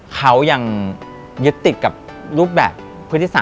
เขายังยึดติดกับรูปแบบพฤติศาส